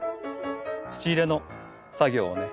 土入れの作業をね